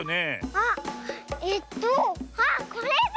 あっえっとあっこれだ！